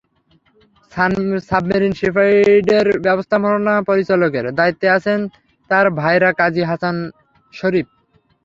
Sun Marine শিপইয়ার্ডের ব্যবস্থাপনা পরিচালকের দায়িত্বে আছেন তাঁর ভায়রা কাজী হাসান শরীফ।